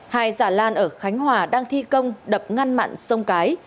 hai giả lan ở khánh hòa đang thi công đập ngăn mặn sông cái